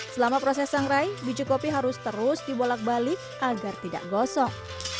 selama proses sangrai biji kopi harus terus dibolak balik agar tidak gosong